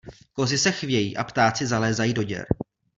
Kozy se chvějí, a ptáci zalézají do děr.